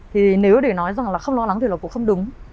thì nếu để nói rằng là không lo lắng thì là cũng không đúng